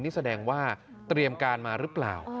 นี่แสดงว่าเตรียมการมาหรือเปล่า